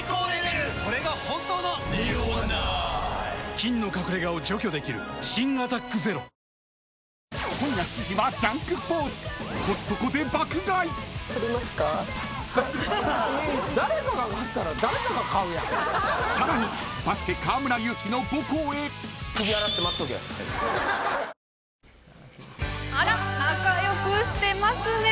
菌の隠れ家を除去できる新「アタックＺＥＲＯ」仲良くしてますね。